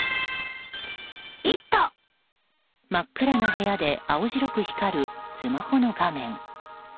真っ暗な部屋で青白く光るスマホの画面。